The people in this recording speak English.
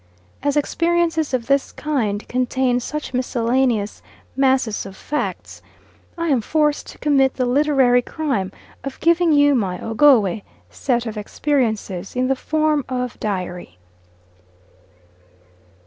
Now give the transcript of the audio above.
As experiences of this kind contain such miscellaneous masses of facts, I am forced to commit the literary crime of giving you my Ogowe set of experiences in the form of diary.